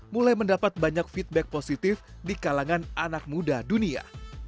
mulai mendapat banyak feedback positif di kalangan anak muda dunia